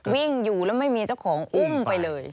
วิ่งอยู่แล้วไม่มีเจ้าของอุ้มไปเลย